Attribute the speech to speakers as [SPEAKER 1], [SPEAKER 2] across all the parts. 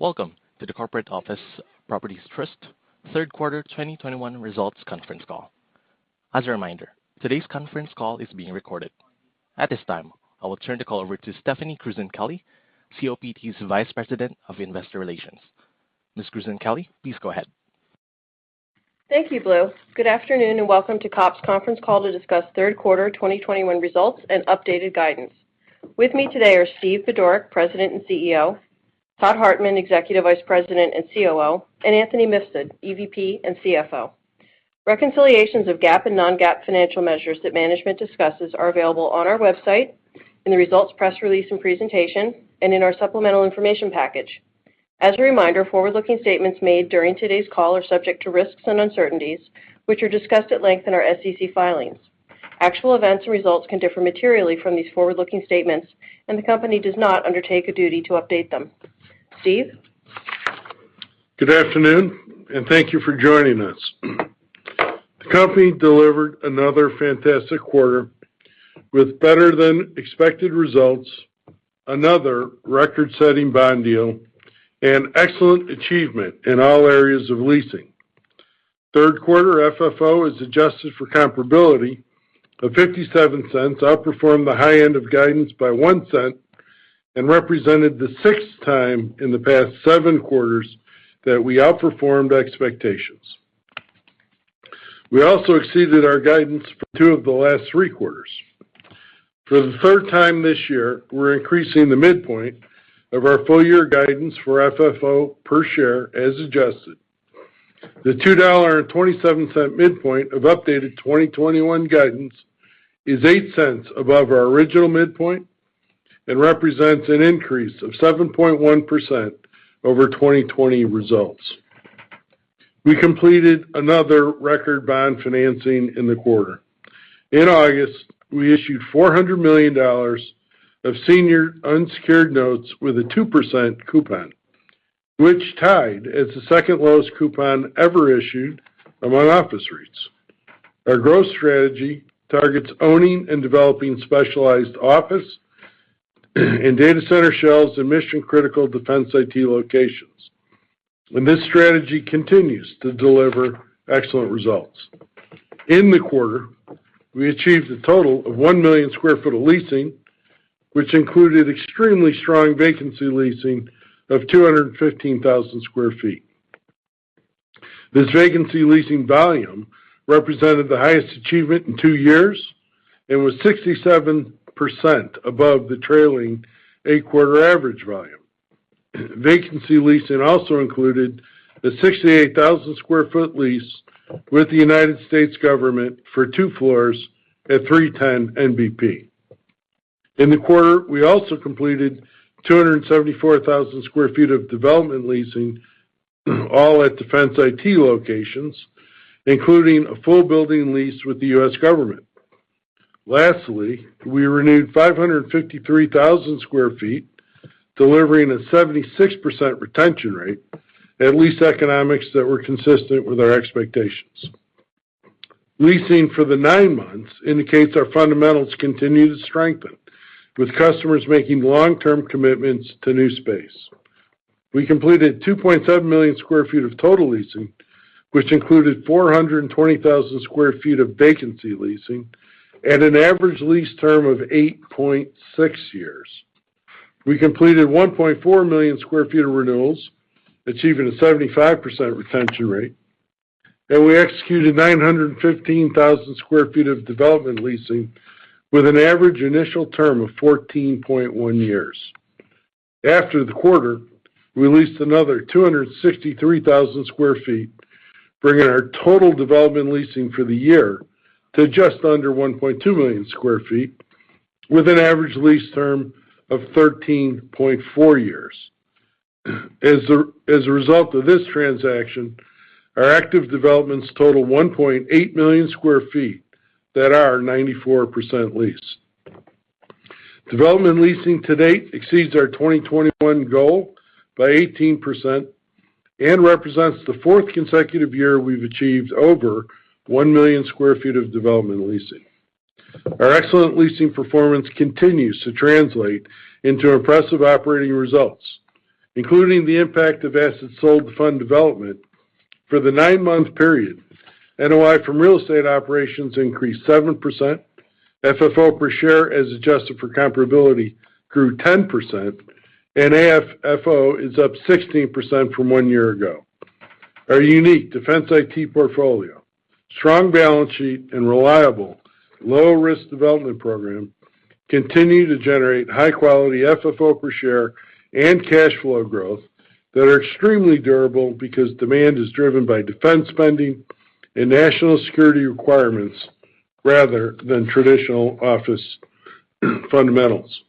[SPEAKER 1] Welcome to the Corporate Office Properties Trust three quarters 2021 results conference call. As a reminder, today's conference call is being recorded. At this time, I will turn the call over to Stephanie Krewson-Kelly, COPT's Vice President of Investor Relations. Ms. Krewson-Kelly, please go ahead.
[SPEAKER 2] Thank you, Blue. Good afternoon, and welcome to COPT's conference call to discuss Q3 2021 results and updated guidance. With me today are Steve Budorick, President and CEO, Todd Hartman, Executive Vice President and COO, and Anthony Mifsud, EVP and CFO. Reconciliations of GAAP and non-GAAP financial measures that management discusses are available on our website in the results press release and presentation and in our supplemental information package. As a reminder, forward-looking statements made during today's call are subject to risks and uncertainties, which are discussed at length in our SEC filings. Actual events and results can differ materially from these forward-looking statements, and the company does not undertake a duty to update them. Steve?
[SPEAKER 3] Good afternoon, and thank you for joining us. The company delivered another fantastic quarter with better than expected results, another record-setting bond deal, and excellent achievement in all areas of leasing. Third quarter FFO, as adjusted for comparability, of $0.57 outperformed the high end of guidance by $0.01 and represented the sixth time in the past seven quarters that we outperformed expectations. We also exceeded our guidance for two of the last Q3. For the third time this year, we're increasing the midpoint of our full year guidance for FFO per share as adjusted. The $2.27 midpoint of updated 2021 guidance is $0.08 above our original midpoint and represents an increase of 7.1% over 2020 results. We completed another record bond financing in the quarter. In August, we issued $400 million of senior unsecured notes with a 2% coupon, which tied as the second lowest coupon ever issued among office rates. Our growth strategy targets owning and developing specialized office and data center shells and mission-critical defense IT locations. This strategy continues to deliver excellent results. In the quarter, we achieved a total of 1 million sq ft of leasing, which included extremely strong vacancy leasing of 215,000 sq ft. This vacancy leasing volume represented the highest achievement in two years and was 67% above the trailing eight-quarter average volume. Vacancy leasing also included a 68,000 sq ft lease with the United States government for two floors at 310 NBP. In the quarter, we also completed 274,000 sq ft of development leasing all at defense IT locations, including a full building lease with the U.S. government. Lastly, we renewed 553,000 sq ft, delivering a 76% retention rate and lease economics that were consistent with our expectations. Leasing for the nine months indicates our fundamentals continue to strengthen, with customers making long-term commitments to new space. We completed 2.7 million sq ft of total leasing, which included 420,000 sq ft of vacancy leasing at an average lease term of 8.6 years. We completed 1.4 million sq ft of renewals, achieving a 75% retention rate, and we executed 915,000 sq ft of development leasing with an average initial term of 14.1 years. After the quarter, we leased another 263,000 sq ft, bringing our total development leasing for the year to just under 1.2 million sq ft with an average lease term of 13.4 years. As a result of this transaction, our active developments total 1.8 million sq ft that are 94% leased. Development leasing to date exceeds our 2021 goal by 18% and represents the fourth consecutive year we've achieved over 1 million sq ft of development leasing. Our excellent leasing performance continues to translate into impressive operating results, including the impact of assets sold to fund development. For the 9-month period, NOI from real estate operations increased 7%, FFO per share as adjusted for comparability grew 10%, and AFFO is up 16% from one year ago. Our unique defense IT portfolio, strong balance sheet, and reliable low risk development program continue to generate high quality FFO per share and cash flow growth that are extremely durable because demand is driven by defense spending and national security requirements rather than traditional office fundamentals.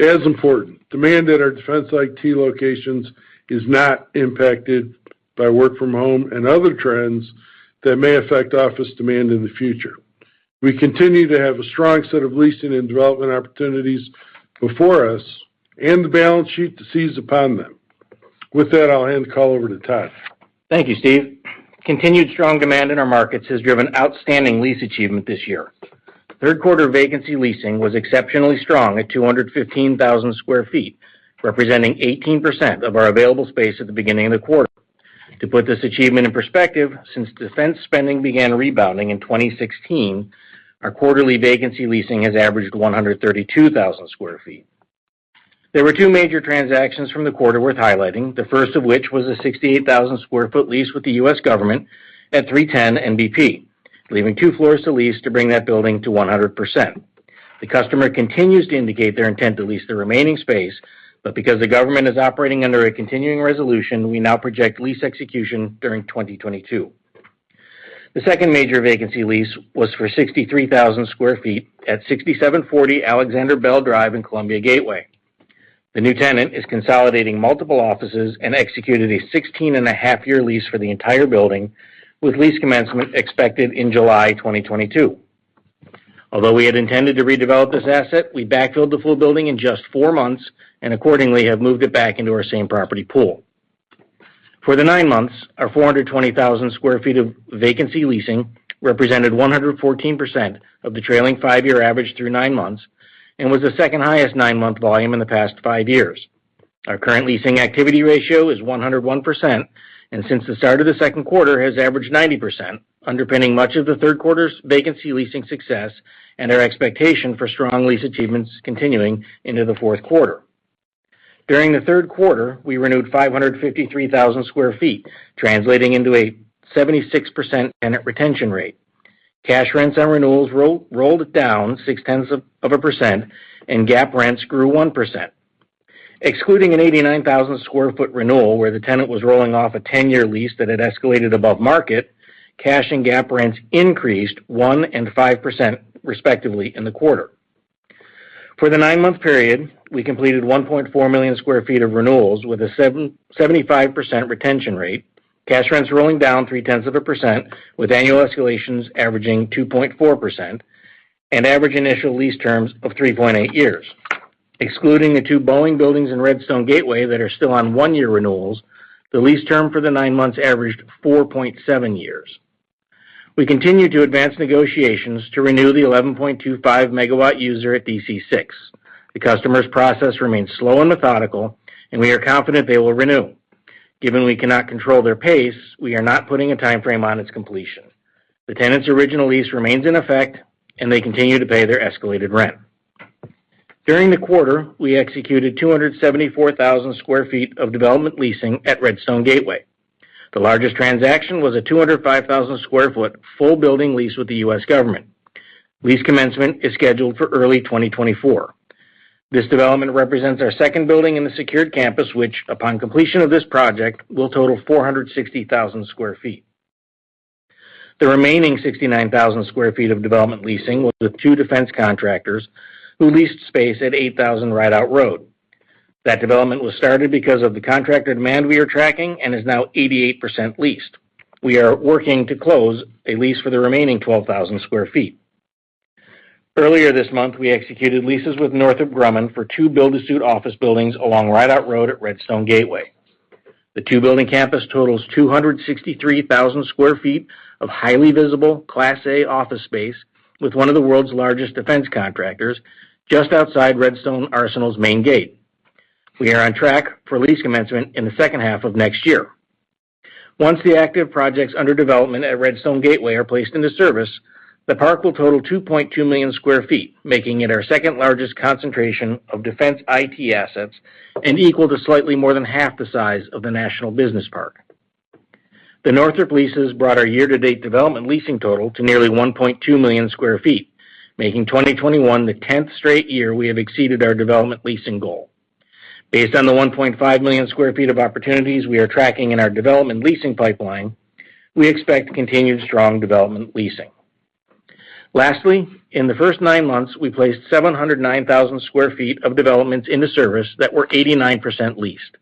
[SPEAKER 3] As important, demand at our defense IT locations is not impacted by work from home and other trends that may affect office demand in the future. We continue to have a strong set of leasing and development opportunities before us and the balance sheet to seize upon them. With that, I'll hand the call over to Todd.
[SPEAKER 4] Thank you, Steve. Continued strong demand in our markets has driven outstanding lease achievement this year. Third quarter vacancy leasing was exceptionally strong at 215,000 sq ft, representing 18% of our available space at the beginning of the quarter. To put this achievement in perspective, since defense spending began rebounding in 2016, our quarterly vacancy leasing has averaged 132,000 sq ft. There were two major transactions from the quarter worth highlighting, the first of which was a 68,000 sq ft lease with the U.S. government at 310 NBP, leaving two floors to lease to bring that building to 100%. The customer continues to indicate their intent to lease the remaining space, but because the government is operating under a continuing resolution, we now project lease execution during 2022. The second major vacancy lease was for 63,000 sq ft at 6740 Alexander Bell Drive in Columbia Gateway. The new tenant is consolidating multiple offices and executed a 16.5-year lease for the entire building, with lease commencement expected in July 2022. Although we had intended to redevelop this asset, we backfilled the full building in just 4 months and accordingly have moved it back into our same property pool. For the nine months, our 420,000 sq ft of vacancy leasing represented 114% of the trailing five year average through nine months and was the second highest nine month volume in the past five years. Our current leasing activity ratio is 101% and since the start of the second quarter has averaged 90%, underpinning much of the Q3's vacancy leasing success and our expectation for strong lease achievements continuing into the Q4. During the Q3, we renewed 553,000 sq ft, translating into a 76% tenant retention rate. Cash rents on renewals rolled down 0.6% of a percent, and GAAP rents grew 1%. Excluding an 89,000 sq ft renewal where the tenant was rolling off a 10-year lease that had escalated above market, cash and GAAP rents increased 1% and 5%, respectively, in the quarter. For the 9-month period, we completed 1.4 million sq ft of renewals with a 75% retention rate. Cash rents rolling down 0.3%, with annual escalations averaging 2.4% and average initial lease terms of 3.8 years. Excluding the two Boeing buildings in Redstone Gateway that are still on one-year renewals, the lease term for the nine months averaged 4.7 years. We continue to advance negotiations to renew the 11.25 MW user at D.C. Six. The customer's process remains slow and methodical, and we are confident they will renew. Given we cannot control their pace, we are not putting a timeframe on its completion. The tenant's original lease remains in effect, and they continue to pay their escalated rent. During the quarter, we executed 274,000 sq ft of development leasing at Redstone Gateway. The largest transaction was a 205,000 sq ft full building lease with the U.S. government. Lease commencement is scheduled for early 2024. This development represents our second building in the secured campus, which, upon completion of this project, will total 460,000 sq ft. The remaining 69,000 sq ft of development leasing was with two defense contractors who leased space at 8,000 Rideout Road. That development was started because of the contractor demand we are tracking and is now 88% leased. We are working to close a lease for the remaining 12,000 sq ft. Earlier this month, we executed leases with Northrop Grumman for two build-to-suit office buildings along Rideout Road at Redstone Gateway. The two-building campus totals 263,000 sq ft of highly visible class A office space with one of the world's largest defense contractors just outside Redstone Arsenal's main gate. We are on track for lease commencement in the second half of next year. Once the active projects under development at Redstone Gateway are placed into service, the park will total 2.2 million sq ft, making it our second largest concentration of defense IT assets and equal to slightly more than half the size of the National Business Park. The Northrop leases brought our year-to-date development leasing total to nearly 1.2 million sq ft, making 2021 the tenth straight year we have exceeded our development leasing goal. Based on the 1.5 million sq ft of opportunities we are tracking in our development leasing pipeline, we expect continued strong development leasing. Lastly, in the first nine months, we placed 709,000 sq ft of developments into service that were 89% leased.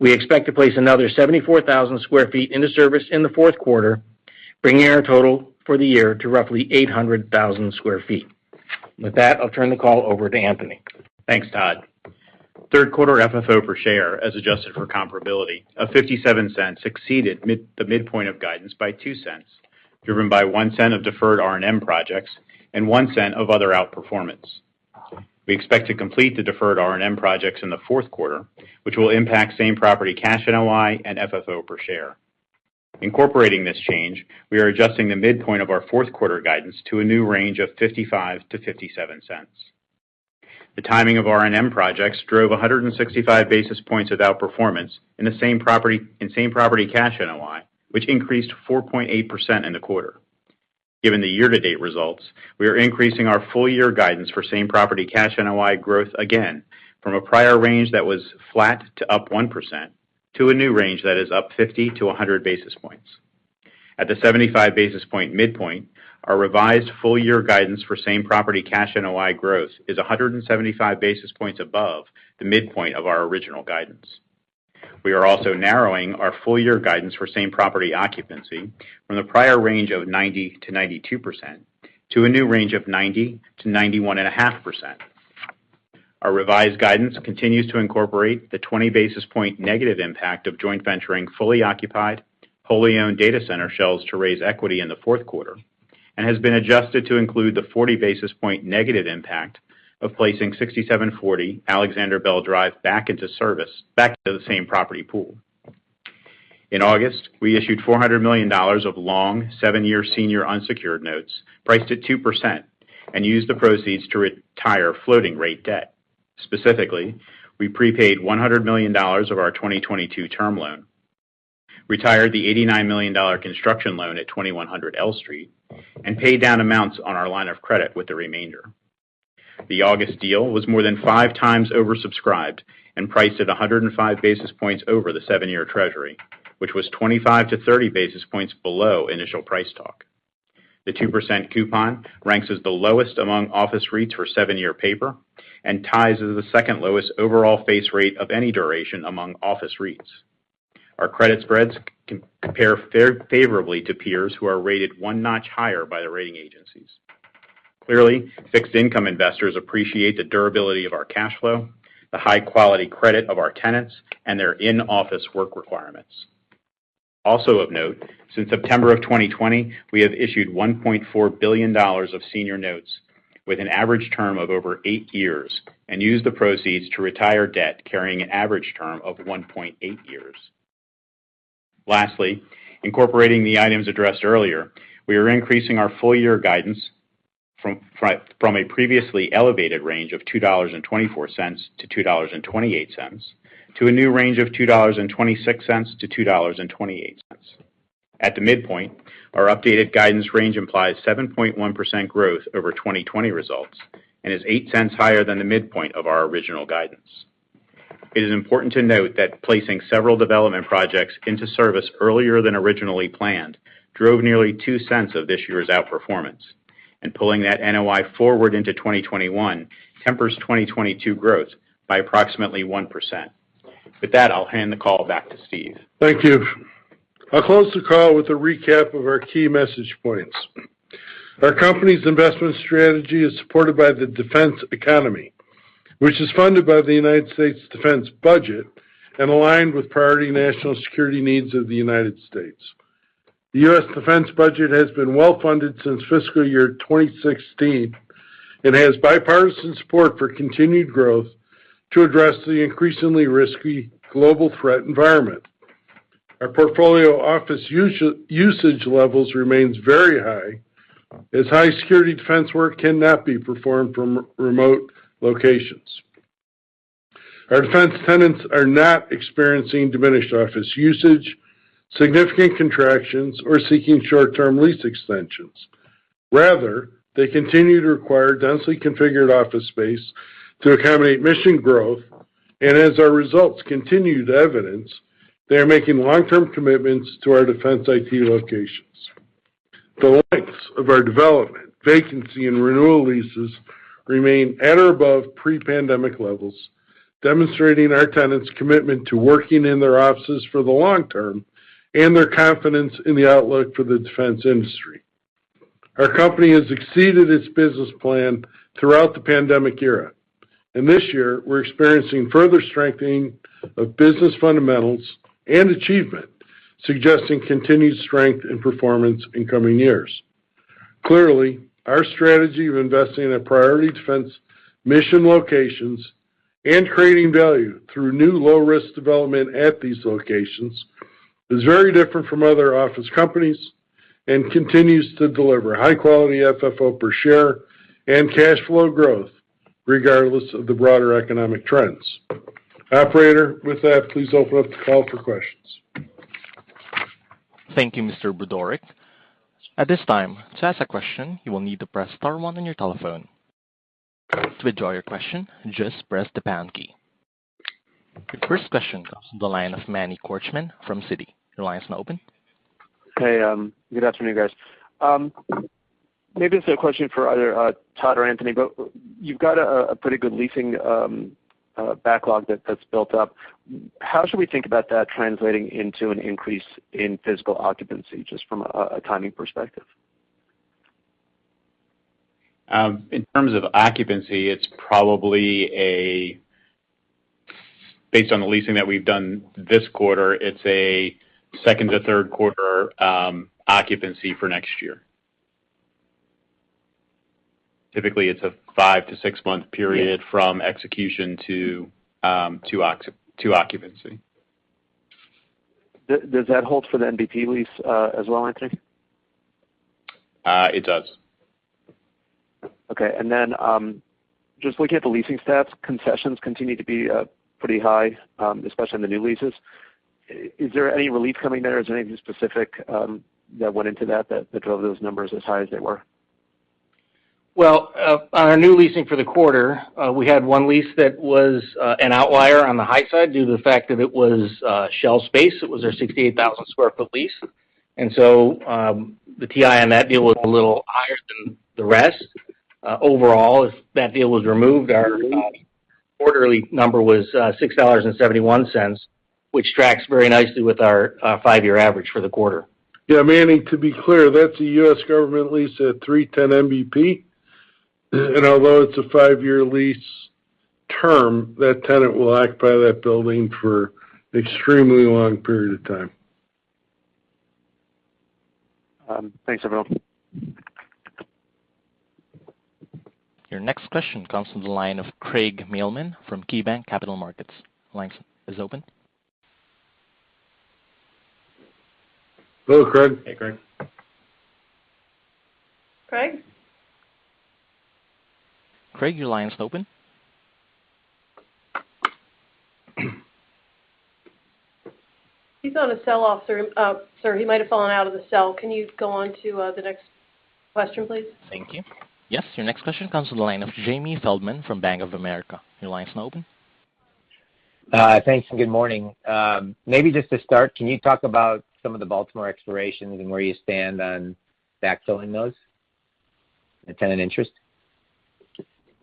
[SPEAKER 4] We expect to place another 74,000 sq ft into service in the Q4, bringing our total for the year to roughly 800,000 sq ft. With that, I'll turn the call over to Anthony.
[SPEAKER 5] Thanks, Todd. Third quarter FFO per share as adjusted for comparability of $0.57 exceeded the midpoint of guidance by $0.02, driven by $0.01 of deferred R&M projects and $0.01 of other outperformance. We expect to complete the deferred R&M projects in the Q4, which will impact same property cash NOI and FFO per share. Incorporating this change, we are adjusting the midpoint of our Q4 guidance to a new range of $0.55-$0.57. The timing of R&M projects drove 165 basis points of outperformance in same property cash NOI, which increased 4.8% in the quarter. Given the year-to-date results, we are increasing our full year guidance for same property cash NOI growth again from a prior range that was flat to up 1% to a new range that is up 50-100 basis points. At the 75 basis point midpoint, our revised full year guidance for same property cash NOI growth is 175 basis points above the midpoint of our original guidance. We are also narrowing our full year guidance for same property occupancy from the prior range of 90%-92% to a new range of 90%-91.5%. Our revised guidance continues to incorporate the 20 basis points negative impact of joint venturing fully occupied, wholly owned data center shells to raise equity in the Q4, and has been adjusted to include the 40 basis points negative impact of placing 6740 Alexander Bell Drive back into service, back to the same property pool. In August, we issued $400 million of long seven-year senior unsecured notes priced at 2% and used the proceeds to retire floating rate debt. Specifically, we prepaid $100 million of our 2022 term loan, retired the $89 million construction loan at 2100 L Street, and paid down amounts on our line of credit with the remainder. The August deal was more than 5 times oversubscribed and priced at 105 basis points over the seven year treasury, which was 25-30 basis points below initial price talk. The 2% coupon ranks as the lowest among office REITs for seven year paper and ties as the second lowest overall face rate of any duration among office REITs. Our credit spreads compare favorably to peers who are rated one notch higher by the rating agencies. Clearly, fixed income investors appreciate the durability of our cash flow, the high quality credit of our tenants, and their in-office work requirements. Also of note, since September 2020, we have issued $1.4 billion of senior notes with an average term of over eight years and used the proceeds to retire debt carrying an average term of 1.8 years. Lastly, incorporating the items addressed earlier, we are increasing our full year guidance from a previously elevated range of $2.24-$2.28 to a new range of $2.26-$2.28. At the midpoint, our updated guidance range implies 7.1% growth over 2020 results and is 8 cents higher than the midpoint of our original guidance. It is important to note that placing several development projects into service earlier than originally planned drove nearly 2 cents of this year's outperformance. Pulling that NOI forward into 2021 tempers 2022 growth by approximately 1%. With that, I'll hand the call back to Steve.
[SPEAKER 3] Thank you. I'll close the call with a recap of our key message points. Our company's investment strategy is supported by the defense economy, which is funded by the United States defense budget and aligned with priority national security needs of the United States. The U.S. defense budget has been well funded since fiscal year 2016 and has bipartisan support for continued growth to address the increasingly risky global threat environment. Our portfolio office usage levels remain very high, as high security defense work cannot be performed from remote locations. Our defense tenants are not experiencing diminished office usage, significant contractions, or seeking short-term lease extensions. Rather, they continue to require densely configured office space to accommodate mission growth. As our results continue to evidence, they are making long-term commitments to our defense IT locations. The lengths of our development, vacancy, and renewal leases remain at or above pre-pandemic levels, demonstrating our tenants' commitment to working in their offices for the long term and their confidence in the outlook for the defense industry. Our company has exceeded its business plan throughout the pandemic era. This year, we're experiencing further strengthening of business fundamentals and achievement, suggesting continued strength and performance in coming years. Clearly, our strategy of investing in priority defense mission locations and creating value through new low risk development at these locations is very different from other office companies and continues to deliver high quality FFO per share and cash flow growth regardless of the broader economic trends. Operator, with that, please open up the call for questions.
[SPEAKER 1] Thank you, Mr. Budorick. At this time, to ask a question, you will need to press star one on your telephone. To withdraw your question, just press the pound key. The first question comes from the line of Manny Korchman from Citi. Your line is now open.
[SPEAKER 6] Hey, good afternoon, guys. Maybe this is a question for either Todd or Anthony, but you've got a pretty good leasing backlog that's built up. How should we think about that translating into an increase in physical occupancy, just from a timing perspective?
[SPEAKER 5] In terms of occupancy, it's probably, based on the leasing that we've done this quarter, a Q2 to Q3 occupancy for next year. Typically, it's a five to six month period.
[SPEAKER 6] Yeah.
[SPEAKER 5] from execution to occupancy.
[SPEAKER 6] Does that hold for the NBP lease, as well, Anthony?
[SPEAKER 5] It does.
[SPEAKER 6] Okay. Just looking at the leasing stats, concessions continue to be pretty high, especially on the new leases. Is there any relief coming there, or is there anything specific that went into that that drove those numbers as high as they were?
[SPEAKER 4] Well, on our new leasing for the quarter, we had one lease that was an outlier on the high side due to the fact that it was shell space. It was our 68,000 sq ft lease. The TI on that deal was a little higher than the rest. Overall, if that deal was removed, our quarterly number was $6.71, which tracks very nicely with our five-year average for the quarter.
[SPEAKER 3] Yeah, Manny, to be clear, that's a U.S. government lease at 310 NBP. Although it's a five-year lease term, that tenant will occupy that building for extremely long period of time.
[SPEAKER 6] Thanks, Anthony.
[SPEAKER 1] Your next question comes from the line of Craig Mailman from KeyBanc Capital Markets. Line is open.
[SPEAKER 3] Hello, Craig.
[SPEAKER 4] Hey, Craig.
[SPEAKER 2] Craig?
[SPEAKER 1] Craig, your line's open.
[SPEAKER 2] He's on a cell off, sir. Sir, he might have fallen out of the cell. Can you go on to the next question, please?
[SPEAKER 1] Thank you. Yes. Your next question comes from the line of Jamie Feldman from Bank of America. Your line's now open.
[SPEAKER 7] Thanks, and good morning. Maybe just to start, can you talk about some of the Baltimore explorations and where you stand on backfilling those and tenant interest?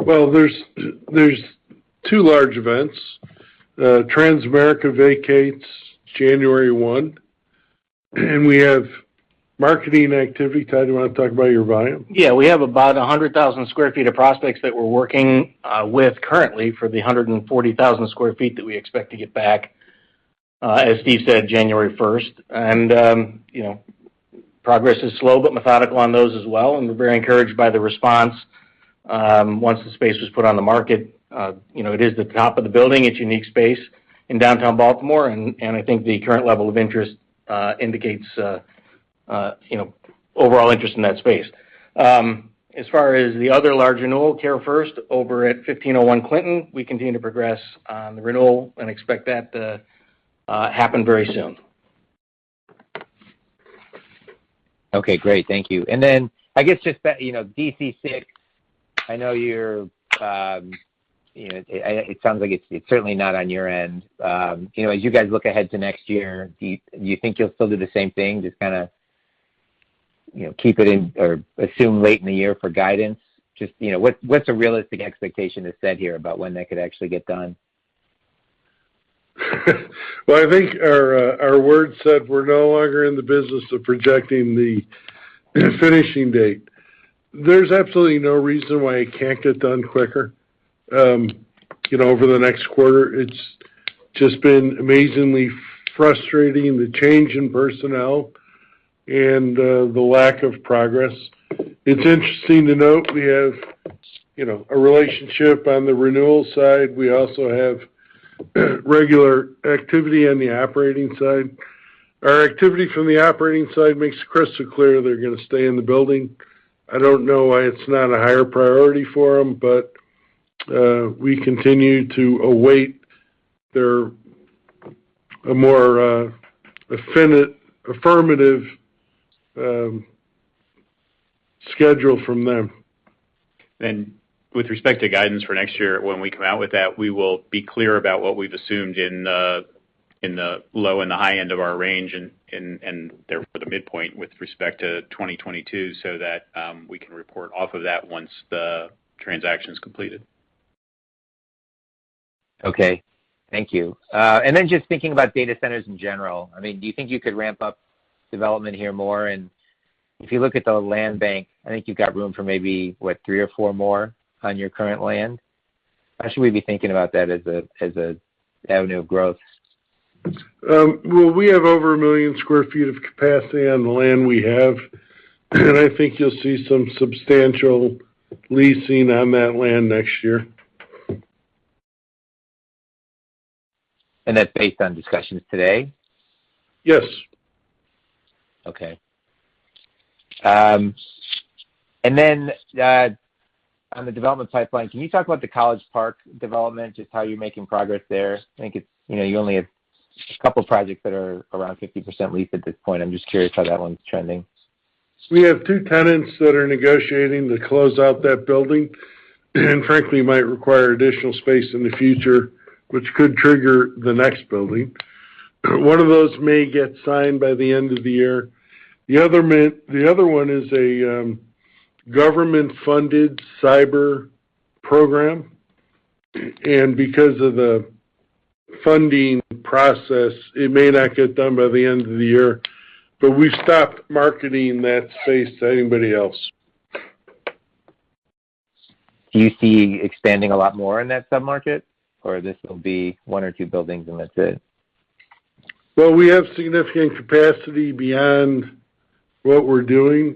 [SPEAKER 3] Well, there's two large events. Transamerica vacates January 1, and we have marketing activity. Todd, you wanna talk about your volume?
[SPEAKER 4] Yeah. We have about 100,000 sq ft of prospects that we're working with currently for the 140,000 sq ft that we expect to get back, as Steve said, January 1. You know, progress is slow but methodical on those as well, and we're very encouraged by the response once the space was put on the market. You know, it is the top of the building. It's unique space in downtown Baltimore, and I think the current level of interest indicates, overall interest in that space. As far as the other large renewal, CareFirst over at 1501 S. Clinton Street, we continue to progress on the renewal and expect that to happen very soon.
[SPEAKER 7] Okay, great. Thank you. I guess just that, D.C. Six, I know you're, you know. It sounds like it's certainly not on your end. You know, as you guys look ahead to next year, do you think you'll still do the same thing, just keep it in or assume late in the year for guidance? Just what's a realistic expectation to set here about when that could actually get done?
[SPEAKER 3] Well, I think our word said we're no longer in the business of projecting the finishing date. There's absolutely no reason why it can't get done quicker, over the next quarter. It's just been amazingly frustrating, the change in personnel and the lack of progress. It's interesting to note we have, a relationship on the renewal side. We also have regular activity on the operating side. Our activity from the operating side makes it crystal clear they're gonna stay in the building. I don't know why it's not a higher priority for, but we continue to await their a more affirmative schedule from them.
[SPEAKER 4] With respect to guidance for next year, when we come out with that, we will be clear about what we've assumed in the low and the high end of our range and therefore the midpoint with respect to 2022, so that we can report off of that once the transaction is completed.
[SPEAKER 7] Okay. Thank you. Just thinking about data centers in general, I mean, do you think you could ramp up development here more? If you look at the land bank, I think you've got room for maybe, what, three or four more on your current land. How should we be thinking about that as a avenue of growth?
[SPEAKER 3] Well, we have over 1 million sq ft of capacity on the land we have, and I think you'll see some substantial leasing on that land next year.
[SPEAKER 7] That's based on discussions today?
[SPEAKER 3] Yes.
[SPEAKER 7] Okay. On the development pipeline, can you talk about the College Park development, just how you're making progress there? I think it's, you only have a couple projects that are around 50% leased at this point. I'm just curious how that one's trending.
[SPEAKER 3] We have two tenants that are negotiating to close out that building, and frankly, might require additional space in the future, which could trigger the next building. One of those may get signed by the end of the year. The other one is a government-funded cyber program, and because of the funding process, it may not get done by the end of the year. But we've stopped marketing that space to anybody else.
[SPEAKER 7] Do you see expanding a lot more in that submarket, or this will be one or two buildings and that's it?
[SPEAKER 3] Well, we have significant capacity beyond what we're doing.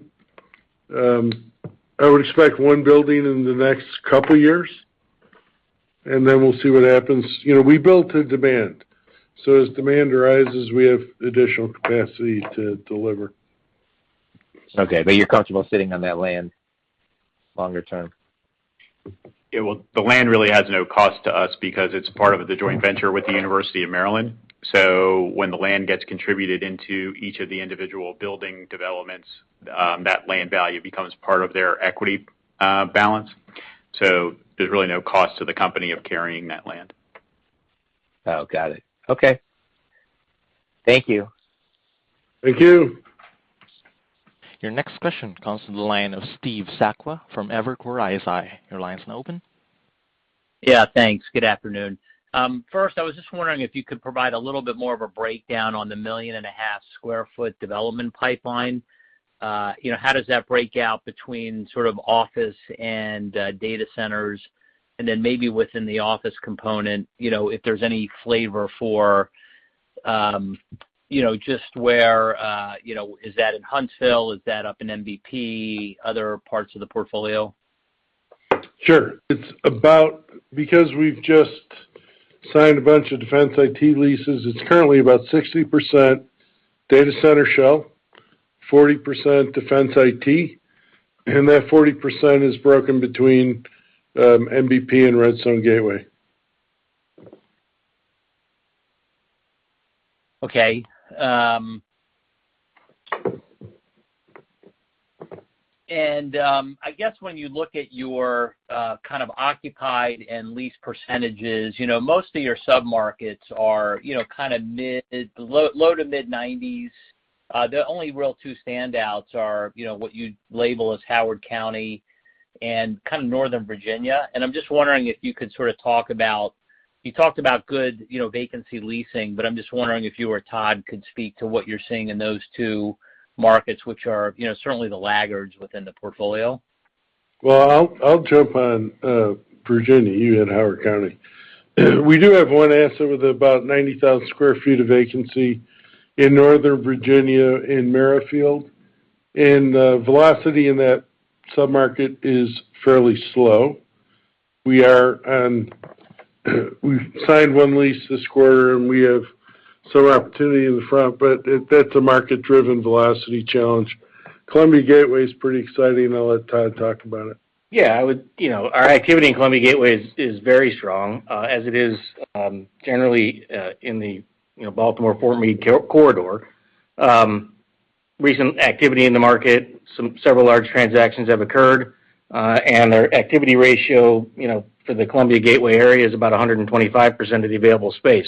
[SPEAKER 3] I would expect one building in the next couple years, and then we'll see what happens. You know, we build to demand, so as demand arises, we have additional capacity to deliver.
[SPEAKER 7] Okay. You're comfortable sitting on that land longer term.
[SPEAKER 4] Yeah. Well, the land really has no cost to us because it's part of the joint venture with the University of Maryland. When the land gets contributed into each of the individual building developments, that land value becomes part of their equity balance. There's really no cost to the company of carrying that land.
[SPEAKER 7] Oh, got it. Okay. Thank you.
[SPEAKER 3] Thank you.
[SPEAKER 1] Your next question comes to the line of Steve Sakwa from Evercore ISI. Your line is now open.
[SPEAKER 8] Yeah, thanks. Good afternoon. First, I was just wondering if you could provide a little bit more of a breakdown on the 1.5 million sq ft development pipeline. You know, how does that break out between sort of office and data centers? And then maybe within the office component, if there's any flavor for, just where, is that in Huntsville? Is that up in NBP, other parts of the portfolio?
[SPEAKER 3] Sure. It's about, because we've just signed a bunch of defense IT leases, it's currently about 60% data center shell, 40% defense IT, and that 40% is broken between NBP and Redstone Gateway.
[SPEAKER 8] I guess when you look at your kind of occupancy and leased percentages, most of your submarkets are, kind of low- to mid-90s. The only real two standouts are, what you label as Howard County and kind of Northern Virginia. I'm just wondering if you could sort of talk about. You talked about good, vacancy leasing, but I'm just wondering if you or Todd could speak to what you're seeing in those two markets, which are, certainly the laggards within the portfolio.
[SPEAKER 3] Well, I'll jump on Virginia, you and Howard County. We do have one asset with about 90,000 sq ft of vacancy in Northern Virginia in Merrifield, and the velocity in that submarket is fairly slow. We signed one lease this quarter, and we have some opportunity in the front, but that's a market-driven velocity challenge. Columbia Gateway is pretty exciting. I'll let Todd talk about it.
[SPEAKER 4] Yeah. I would, our activity in Columbia Gateway is very strong, as it is generally in the Baltimore-Fort Meade corridor. Recent activity in the market, several large transactions have occurred, and the activity ratio, for the Columbia Gateway area is about 125% of the available space.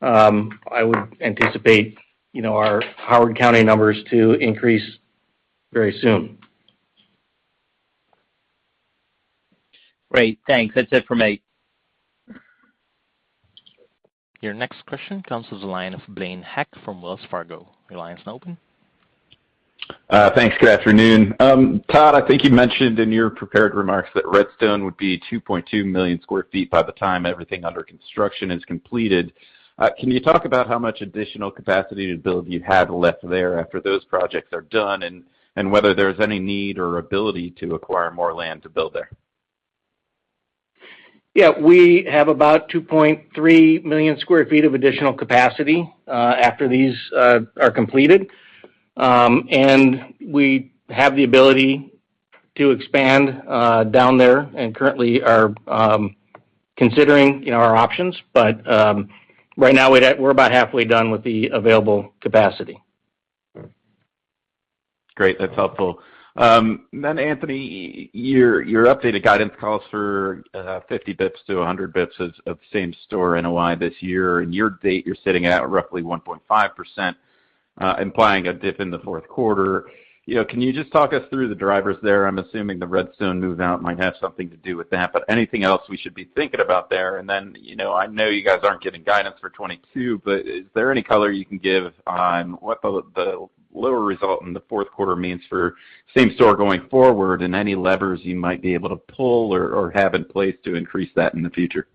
[SPEAKER 4] I would anticipate, our Howard County numbers to increase very soon.
[SPEAKER 8] Great. Thanks. That's it for me.
[SPEAKER 1] Your next question comes to the line of Blaine Heck from Wells Fargo. Your line is now open.
[SPEAKER 9] Thanks. Good afternoon. Todd, I think you mentioned in your prepared remarks that Redstone would be 2.2 million sq ft by the time everything under construction is completed. Can you talk about how much additional capacity to build you'd have left there after those projects are done, and whether there's any need or ability to acquire more land to build there?
[SPEAKER 4] Yeah. We have about 2.3 million sq ft of additional capacity after these are completed. We have the ability to expand down there and currently are considering, our options. Right now we're about halfway done with the available capacity.
[SPEAKER 9] Great. That's helpful. Anthony, your updated guidance calls for 50 basis points to 100 basis points of same-store NOI this year. To date, you're sitting at roughly 1.5%, implying a dip in the Q4. You know, can you just talk us through the drivers there? I'm assuming the Redstone move-out might have something to do with that, but anything else we should be thinking about there? You know, I know you guys aren't giving guidance for 2022, but is there any color you can give on what the lower result in the Q4 means for same-store going forward and any levers you might be able to pull or have in place to increase that in the future?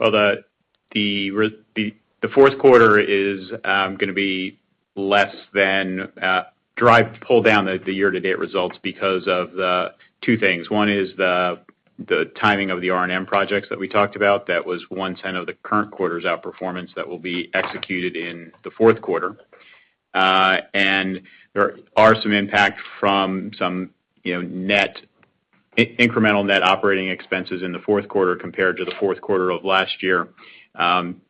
[SPEAKER 5] Well, the Q4 is gonna be less than pull down the year-to-date results because of the two things. One is the timing of the R&M projects that we talked about. That was one-tenth of the current quarter's outperformance that will be executed in the Q4. And there are some impact from some, incremental net operating expenses in the Q4 compared to the Q4 of last year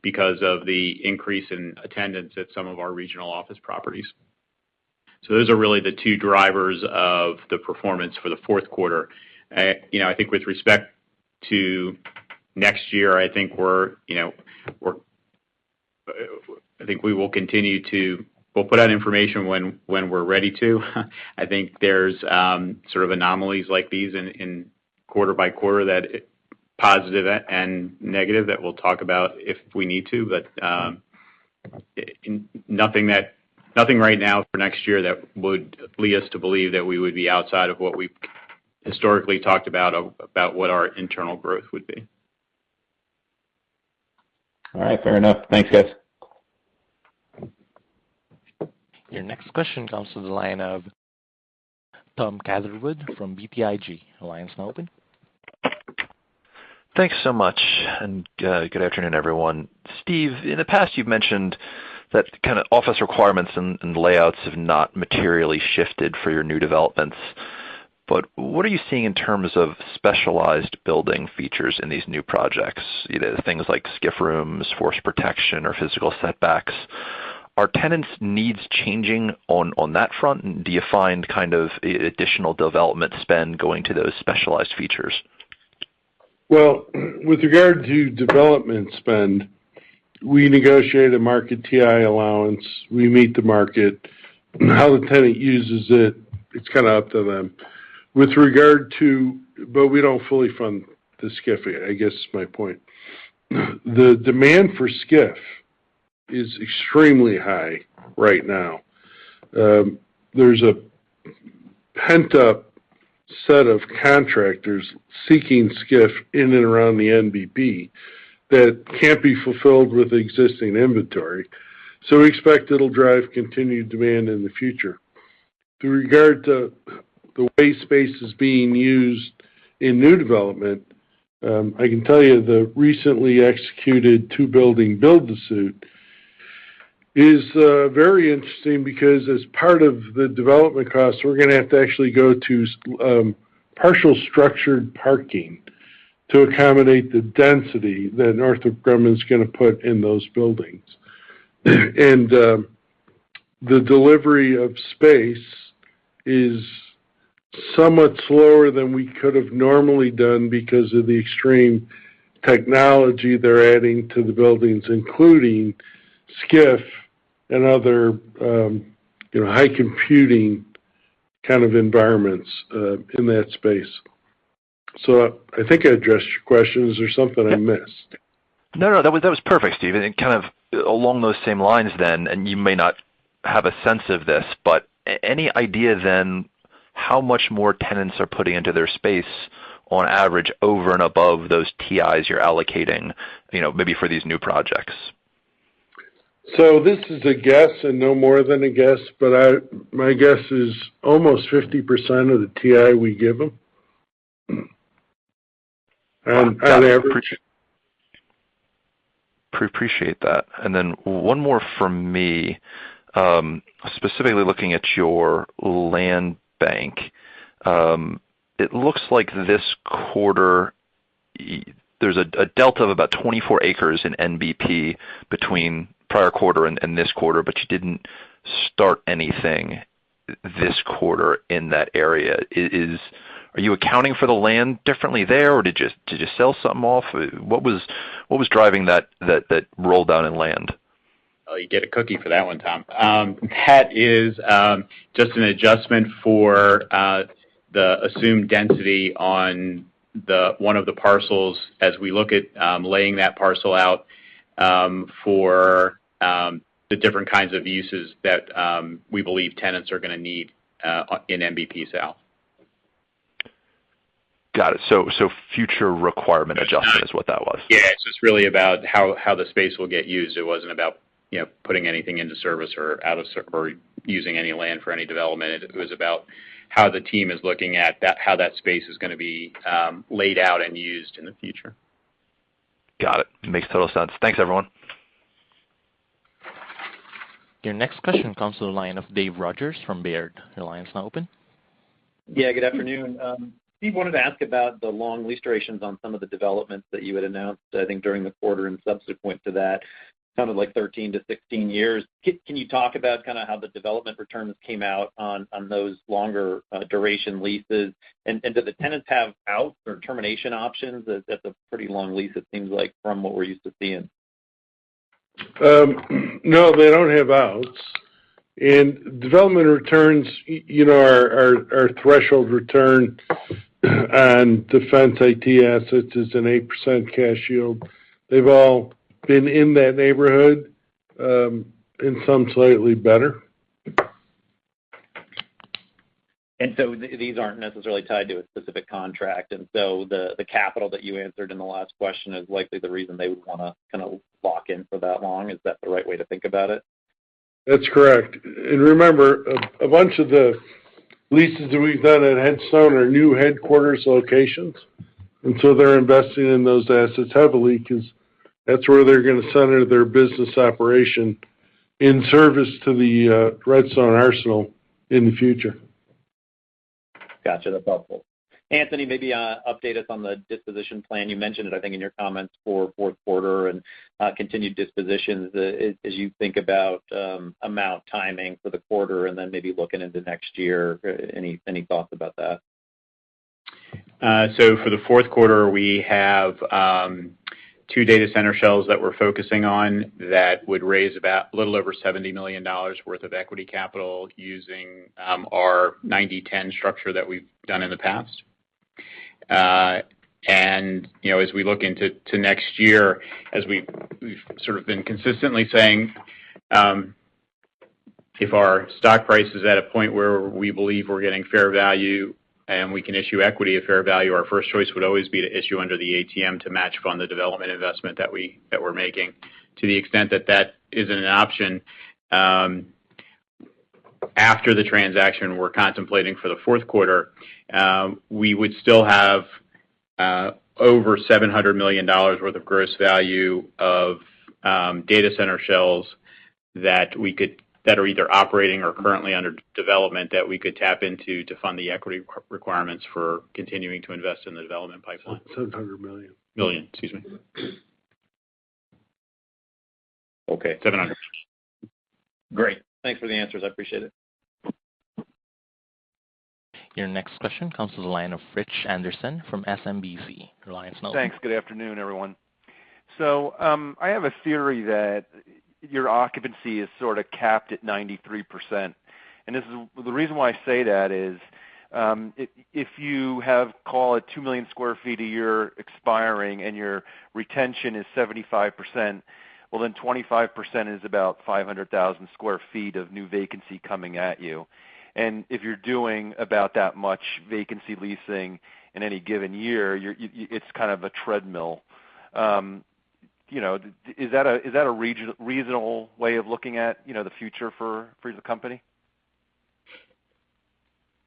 [SPEAKER 5] because of the increase in attendance at some of our regional office properties. Those are really the two drivers of the performance for the Q4. You know, I think with respect to next year, I think we're, we're, I think we will. We'll put out information when we're ready to. I think there's sort of anomalies like these in quarter by quarter that positive and negative that we'll talk about if we need to, but nothing right now for next year that would lead us to believe that we would be outside of what we've historically talked about what our internal growth would be.
[SPEAKER 9] All right. Fair enough. Thanks, guys.
[SPEAKER 1] Your next question comes to the line of Tom Catherwood from BTIG. Your line is now open.
[SPEAKER 10] Thanks so much, and good afternoon, everyone. Steve, in the past, you've mentioned that kind of office requirements and layouts have not materially shifted for your new developments. What are you seeing in terms of specialized building features in these new projects? Either things like SCIF rooms, force protection or physical setbacks. Are tenants needs changing on that front? Do you find kind of additional development spend going to those specialized features?
[SPEAKER 3] With regard to development spend, we negotiate a market TI allowance. We meet the market. How the tenant uses it's kind of up to them. We don't fully fund the SCIF, I guess, is my point. The demand for SCIF is extremely high right now. There's a pent-up set of contractors seeking SCIF in and around the NBP that can't be fulfilled with existing inventory. We expect it'll drive continued demand in the future. With regard to the way space is being used in new development, I can tell you the recently executed two-building build-to-suit is very interesting because as part of the development costs, we're gonna have to actually go to partial structured parking to accommodate the density that Northrop Grumman's gonna put in those buildings. The delivery of space is somewhat slower than we could have normally done because of the extreme technology they're adding to the buildings, including SCIF and other, high computing kind of environments, in that space. I think I addressed your questions. Is there something I missed?
[SPEAKER 10] No, no, that was perfect, Steve. Kind of along those same lines then, and you may not have a sense of this, but any idea then how much more tenants are putting into their space on average over and above those TIs you're allocating, maybe for these new projects?
[SPEAKER 3] This is a guess and no more than a guess, but my guess is almost 50% of the TI we give them. On average.
[SPEAKER 10] Appreciate that. One more from me. Specifically looking at your land bank, it looks like this quarter, there's a delta of about 24 acres in NBP between prior quarter and this quarter, but you didn't start anything this quarter in that area. Are you accounting for the land differently there, or did you sell something off? What was driving that roll down in land?
[SPEAKER 5] Oh, you get a cookie for that one, Tom. That is just an adjustment for the assumed density on the one of the parcels as we look at laying that parcel out for the different kinds of uses that we believe tenants are gonna need in NBP South.
[SPEAKER 10] Got it. Future requirement adjustment is what that was.
[SPEAKER 5] Yeah. It's just really about how the space will get used. It wasn't about, putting anything into service or out of service or using any land for any development. It was about how the team is looking at that, how that space is gonna be laid out and used in the future.
[SPEAKER 10] Got it. Makes total sense. Thanks, everyone.
[SPEAKER 1] Your next question comes to the line of Dave Rodgers from Baird. Your line is now open.
[SPEAKER 11] Yeah, good afternoon. Steve, wanted to ask about the long lease durations on some of the developments that you had announced, I think, during the quarter and subsequent to that, sounded like 13-16 years. Can you talk about kind of how the development returns came out on those longer duration leases? And do the tenants have outs or termination options? That's a pretty long lease, it seems like, from what we're used to seeing.
[SPEAKER 3] No, they don't have outs. Development returns, our threshold return on defense IT assets is an 8% cash yield. They've all been in that neighborhood, and some slightly better.
[SPEAKER 11] These aren't necessarily tied to a specific contract. The capital that you answered in the last question is likely the reason they would wanna kind of lock in for that long. Is that the right way to think about it?
[SPEAKER 3] That's correct. Remember, a bunch of the leases that we've done at Redstone are new headquarters locations, and so they're investing in those assets heavily 'cause that's where they're gonna center their business operation in service to the Redstone Arsenal in the future.
[SPEAKER 11] Gotcha. That's helpful. Anthony, maybe update us on the disposition plan. You mentioned it, I think, in your comments for Q4 and continued dispositions as you think about amount timing for the quarter and then maybe looking into next year. Any thoughts about that?
[SPEAKER 5] For the Q4, we have 2 data center shells that we're focusing on that would raise about a little over $70 million worth of equity capital using our 90-10 structure that we've done in the past. You know, as we look into next year, as we've sort of been consistently saying, if our stock price is at a point where we believe we're getting fair value and we can issue equity at fair value, our first choice would always be to issue under the ATM to match fund the development investment that we're making. To the extent that that isn't an option, after the transaction we're contemplating for the Q4, we would still have over $700 million worth of gross value of data center shells that are either operating or currently under development, that we could tap into to fund the equity requirements for continuing to invest in the development pipeline.
[SPEAKER 3] $700 million.
[SPEAKER 5] Million. Excuse me.
[SPEAKER 3] Okay.
[SPEAKER 5] 700.
[SPEAKER 11] Great. Thanks for the answers. I appreciate it.
[SPEAKER 1] Your next question comes to the line of Rich Anderson from SMBC Nikko.
[SPEAKER 12] Thanks. Good afternoon, everyone. I have a theory that your occupancy is sort of capped at 93%. The reason why I say that is, if you have, call it 2 million sq ft a year expiring and your retention is 75%, well, then 25% is about 500,000 sq ft of new vacancy coming at you. If you're doing about that much vacancy leasing in any given year, it's kind of a treadmill. You know, is that a reasonable way of looking at, the future for the company?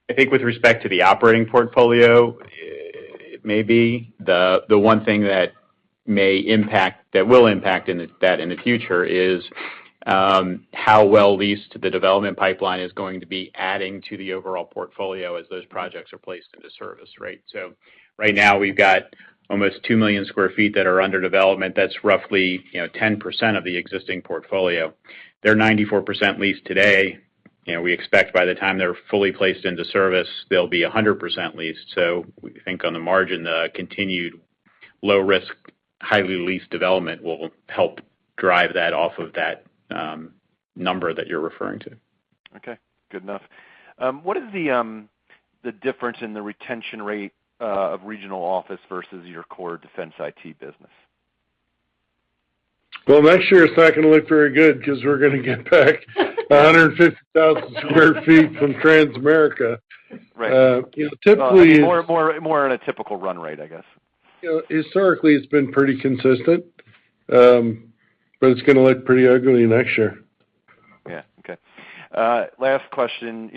[SPEAKER 5] I think with respect to the operating portfolio, it may be the one thing that will impact in the future is how well leased the development pipeline is going to be adding to the overall portfolio as those projects are placed in service. Right now, we've got almost 2 million sq ft that are under development. That's roughly, 10% of the existing portfolio. They're 94% leased today. You know, we expect by the time they're fully placed in service, they'll be 100% leased. We think on the margin, the continued low risk, highly leased development will help drive that up from that number that you're referring to.
[SPEAKER 12] Okay, good enough. What is the difference in the retention rate of regional office versus your core defense IT business?
[SPEAKER 3] Well, next year it's not gonna look very good because we're gonna get back 150,000 sq ft from Transamerica.
[SPEAKER 12] Right.
[SPEAKER 3] You know, typically.
[SPEAKER 12] More in a typical run rate, I guess.
[SPEAKER 3] You know, historically, it's been pretty consistent, but it's gonna look pretty ugly next year.
[SPEAKER 12] Yeah. Okay. Last question,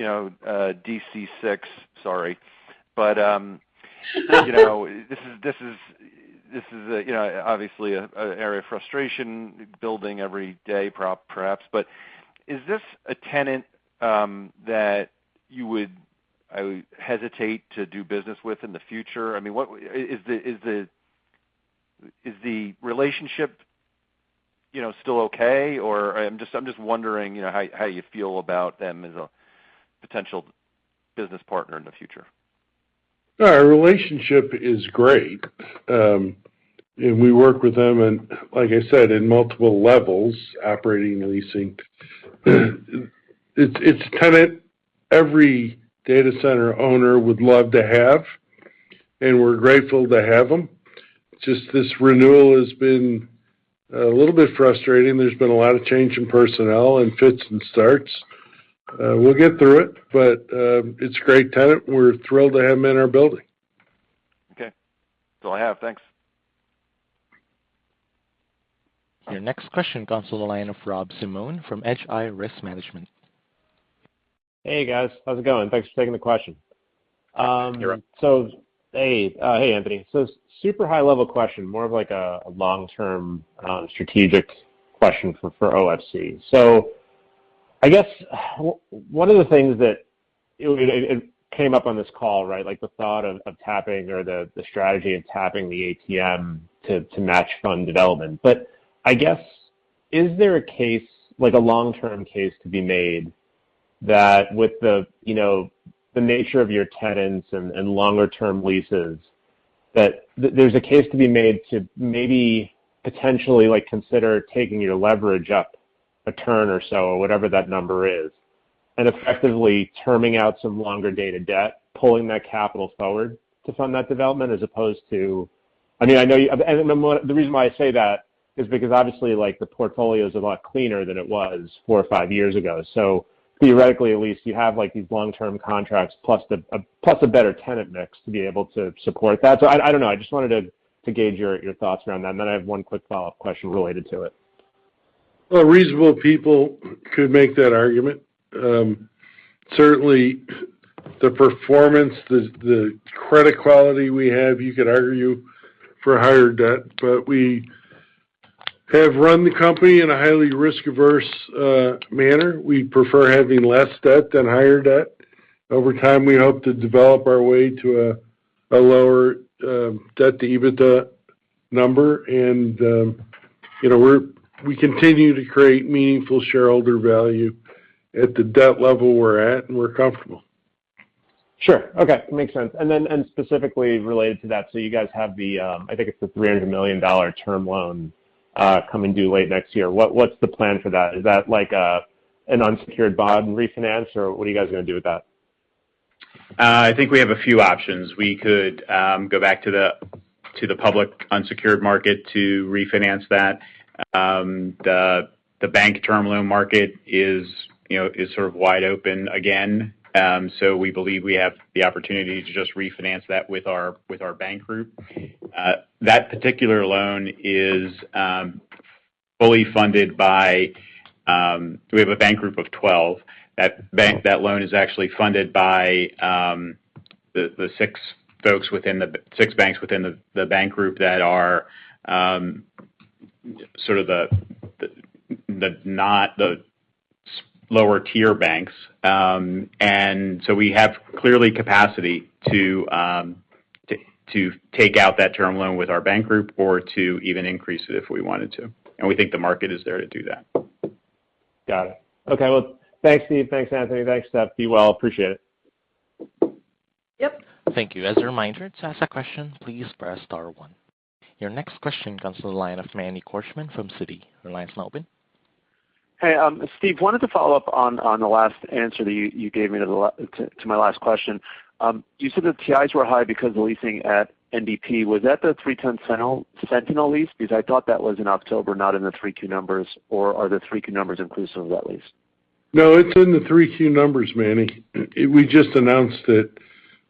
[SPEAKER 12] D.C. Six. Sorry. You know, this is obviously an area of frustration building every day, perhaps. Is this a tenant that you would hesitate to do business with in the future? I mean, what is the relationship, still okay? Or I'm just wondering, how you feel about them as a potential business partner in the future.
[SPEAKER 3] Our relationship is great, and we work with them and like I said, in multiple levels, operating and leasing. It's a tenant every data center owner would love to have, and we're grateful to have them. Just this renewal has been a little bit frustrating. There's been a lot of change in personnel and fits and starts. We'll get through it, but it's a great tenant. We're thrilled to have them in our building.
[SPEAKER 12] Okay. That's all I have. Thanks.
[SPEAKER 1] Your next question comes to the line of Rob Simone from Hedgeye Risk Management.
[SPEAKER 13] Hey, guys. How's it going? Thanks for taking the question.
[SPEAKER 5] You're up.
[SPEAKER 13] Hey, Anthony. Super high-level question, more of like a long-term strategic question for OFC. I guess one of the things that it came up on this call, right? Like, the thought of tapping or the strategy of tapping the ATM to match fund development. Is there a case, like a long-term case to be made that with the, the nature of your tenants and longer-term leases, that there's a case to be made to maybe potentially, like, consider taking your leverage up a turn or so, or whatever that number is, and effectively terming out some longer-dated debt, pulling that capital forward to fund that development as opposed to The reason why I say that is because obviously, like, the portfolio is a lot cleaner than it was four or five years ago. Theoretically, at least, you have, like, these long-term contracts plus the plus a better tenant mix to be able to support that. I don't know. I just wanted to gauge your thoughts around that. Then I have one quick follow-up question related to it.
[SPEAKER 3] Well, reasonable people could make that argument. Certainly the performance, the credit quality we have, you could argue for higher debt. We have run the company in a highly risk-averse manner. We prefer having less debt than higher debt. Over time, we hope to develop our way to a lower debt-to-EBITDA number. You know, we continue to create meaningful shareholder value at the debt level we're at, and we're comfortable.
[SPEAKER 13] Sure. Okay. Makes sense. Specifically related to that, you guys have the I think it's the $300 million term loan coming due late next year. What's the plan for that? Is that like an unsecured bond refinance, or what are you guys gonna do with that?
[SPEAKER 5] I think we have a few options. We could go back to the public unsecured market to refinance that. The bank term loan market is, sort of wide open again. We believe we have the opportunity to just refinance that with our bank group. That particular loan is fully funded by, we have a bank group of 12. That loan is actually funded by the six banks within the bank group that are sort of the not the Lower tier banks. We have clearly capacity to take out that term loan with our bank group or to even increase it if we wanted to. We think the market is there to do that.
[SPEAKER 13] Got it. Okay. Well, thanks Steve, thanks Anthony, thanks Steph. Be well. Appreciate it.
[SPEAKER 2] Yep.
[SPEAKER 1] Thank you. As a reminder, to ask a question, please press star one. Your next question comes from the line of Manny Korchman from Citi. Your line is now open.
[SPEAKER 6] Hey, Steve, wanted to follow up on the last answer that you gave me to my last question. You said the TIs were high because of the leasing at NBP. Was that the 310 Sentinel Way lease? Because I thought that was in October, not in the 3Q numbers, or are the 3Q numbers inclusive of that lease?
[SPEAKER 3] No, it's in the 3Q numbers, Manny. We just announced it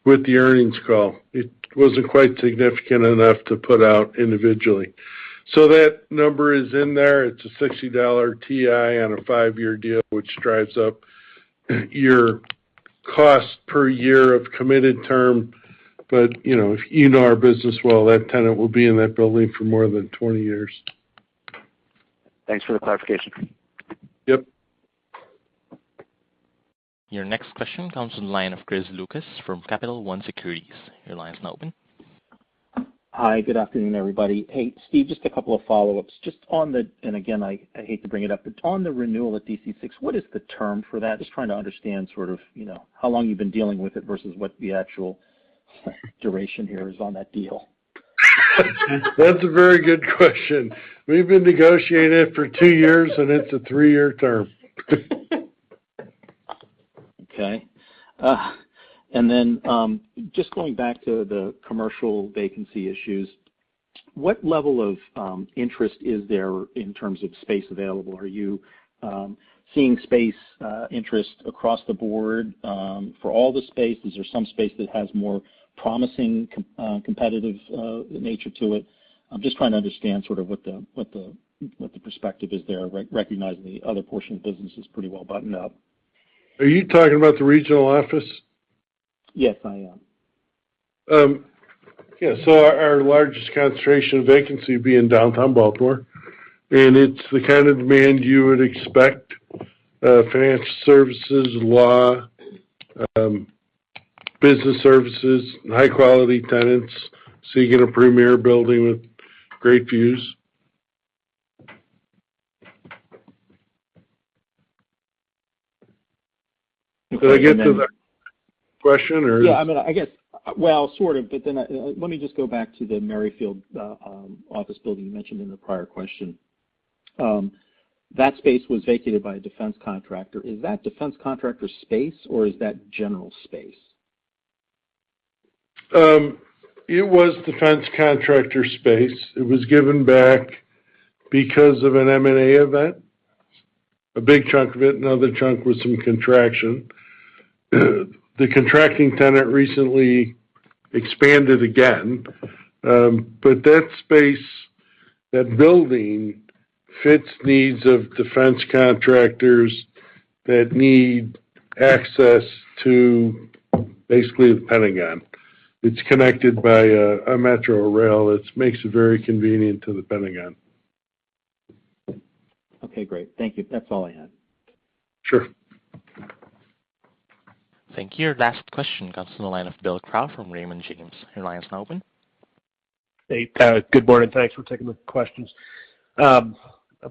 [SPEAKER 3] with the earnings call. It wasn't quite significant enough to put out individually. So that number is in there. It's a $60 TI on a five year deal, which drives up your cost per year of committed term. But, if you know our business well, that tenant will be in that building for more than 20 years.
[SPEAKER 6] Thanks for the clarification.
[SPEAKER 3] Yep.
[SPEAKER 1] Your next question comes from the line of Chris Lucas from Capital One Securities. Your line is now open.
[SPEAKER 14] Hi, good afternoon, everybody. Hey, Steve, just a couple of follow-ups. Just on the renewal at D.C. Six, what is the term for that? Again, I hate to bring it up. Just trying to understand sort of, how long you've been dealing with it versus what the actual duration here is on that deal.
[SPEAKER 3] That's a very good question. We've been negotiating it for two years, and it's a three year term.
[SPEAKER 14] Okay. Just going back to the commercial vacancy issues, what level of interest is there in terms of space available? Are you seeing space interest across the board for all the space? Is there some space that has more promising competitive nature to it? I'm just trying to understand sort of what the perspective is there, recognizing the other portion of the business is pretty well buttoned up.
[SPEAKER 3] Are you talking about the regional office?
[SPEAKER 14] Yes, I am.
[SPEAKER 3] Yeah. Our largest concentration of vacancy would be in downtown Baltimore, and it's the kind of demand you would expect, financial services, law, business services, and high-quality tenants seeking a premier building with great views. Did I get to the question or-
[SPEAKER 14] Yeah, I mean, I guess. Well, sort of, but then, let me just go back to the Merrifield office building you mentioned in the prior question. That space was vacated by a defense contractor. Is that defense contractor space or is that general space?
[SPEAKER 3] It was defense contractor space. It was given back because of an M&A event, a big chunk of it. Another chunk was some contraction. The contracting tenant recently expanded again. That space, that building fits needs of defense contractors that need access to basically the Pentagon. It's connected by a metro rail. It makes it very convenient to the Pentagon.
[SPEAKER 14] Okay, great. Thank you. That's all I had.
[SPEAKER 3] Sure.
[SPEAKER 1] Thank you. Last question comes from the line of Bill Crow from Raymond James. Your line is now open.
[SPEAKER 15] Hey, good morning. Thanks for taking the questions. I've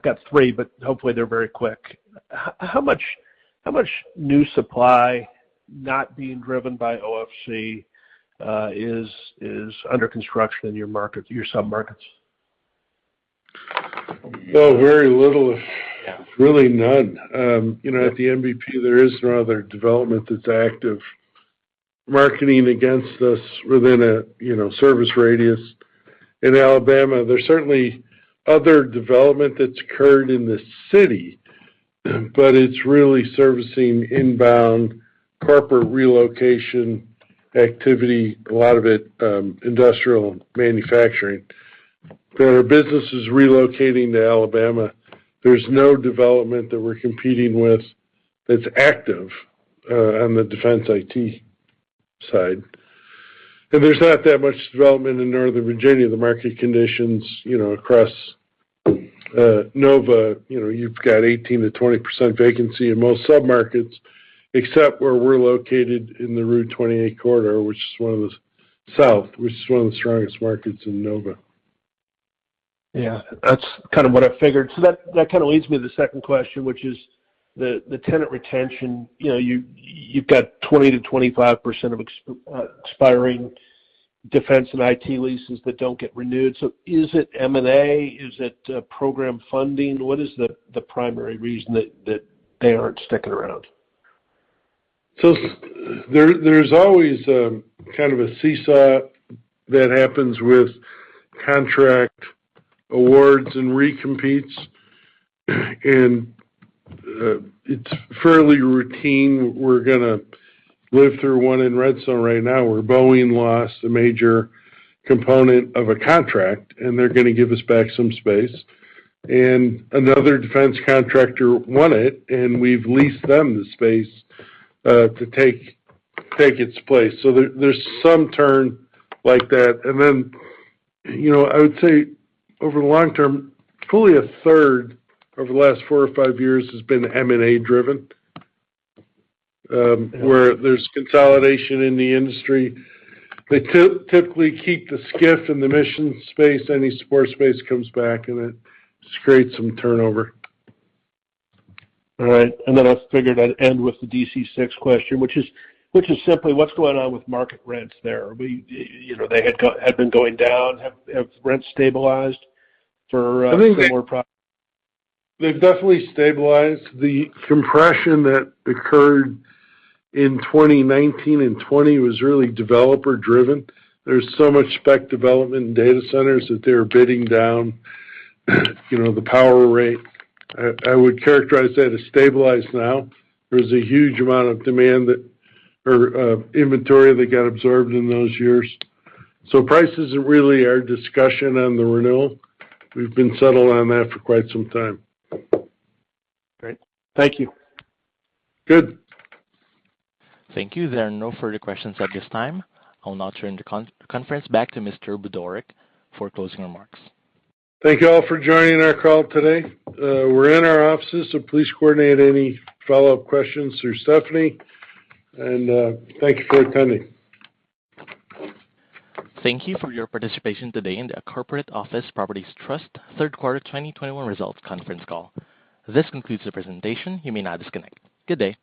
[SPEAKER 15] got three, but hopefully they're very quick. How much new supply not being driven by OFC is under construction in your market, your sub-markets?
[SPEAKER 3] Oh, very little.
[SPEAKER 15] Yeah.
[SPEAKER 3] Really none. You know, at the NBP, there is no other development that's active marketing against us within a service radius. In Alabama, there's certainly other development that's occurred in the city, but it's really servicing inbound corporate relocation activity, a lot of it, industrial manufacturing. There are businesses relocating to Alabama. There's no development that we're competing with that's active on the defense IT side. There's not that much development in Northern Virginia. The market conditions, across Nova, you've got 18%-20% vacancy in most sub-markets, except where we're located in the Route 28 corridor, which is one of the strongest markets in Nova.
[SPEAKER 15] Yeah, that's kind of what I figured. That kind of leads me to the second question, which is the tenant retention. You know, you've got 20%-25% of expiring defense and IT leases that don't get renewed. Is it M&A? Is it program funding? What is the primary reason that they aren't sticking around?
[SPEAKER 3] There's always kind of a seesaw that happens with contract awards and recompetes, and it's fairly routine. We're gonna live through one in Redstone right now, where Boeing lost a major component of a contract, and they're gonna give us back some space. Another defense contractor won it, and we've leased them the space to take its place. There's some turn like that. You know, I would say over the long term, probably a third over the last four or five years has been M&A driven.
[SPEAKER 15] Yeah.
[SPEAKER 3] where there's consolidation in the industry. They typically keep the SCIF in the mission space. Any support space comes back, and it creates some turnover.
[SPEAKER 15] All right. I figured I'd end with the D.C. Six question, which is simply what's going on with market rents there? You know, they had been going down. Have rents stabilized for some more pro-
[SPEAKER 3] They've definitely stabilized. The compression that occurred in 2019 and 2020 was really developer driven. There's so much spec development in data centers that they were bidding down, the power rate. I would characterize that as stabilized now. There's a huge amount of demand or inventory that got absorbed in those years. Price isn't really our discussion on the renewal. We've been settled on that for quite some time.
[SPEAKER 15] Great. Thank you.
[SPEAKER 3] Good.
[SPEAKER 1] Thank you. There are no further questions at this time. I'll now turn the conference back to Mr. Budorick for closing remarks.
[SPEAKER 3] Thank you all for joining our call today. We're in our offices, so please coordinate any follow-up questions through Stephanie. Thank you for attending.
[SPEAKER 1] Thank you for your participation today in the Corporate Office Properties Trust Third Quarter 2021 Results Conference Call. This concludes the presentation. You may now disconnect. Good day.